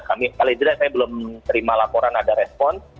kali ini saya belum terima laporan ada respon